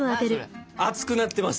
あっ熱くなってます。